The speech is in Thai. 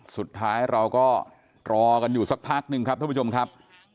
สุดท้ายเราก็รอกันอยู่สักพักหนึ่งครับท่านผู้ชมครับ